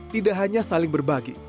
tidak hanya saling berbagi